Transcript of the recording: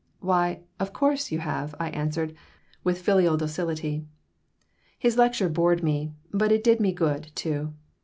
"Why, of course, you have!" I answered, with filial docility His lecture bored me, but it did me good, too.